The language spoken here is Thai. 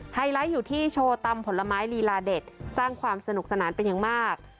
ไลท์อยู่ที่โชว์ตำผลไม้ลีลาเด็ดสร้างความสนุกสนานเป็นอย่างมาก